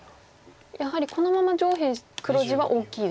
やはりこのまま上辺黒地は大きいですか？